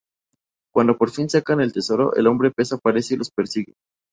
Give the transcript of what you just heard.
Cuando por fin sacan el tesoro, el Hombre Pez aparece y los persigue.